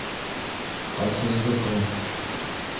Колхоздыҡы!